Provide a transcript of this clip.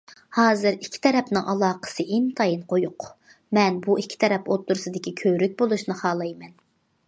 ھازىر ئىككى تەرەپنىڭ ئالاقىسى ئىنتايىن قويۇق، مەن بۇ ئىككى تەرەپ ئوتتۇرىسىدىكى كۆۋرۈك بولۇشنى خالايمەن.